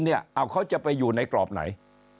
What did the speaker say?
เอาเขาจะไปอยู่ในกรอบไหน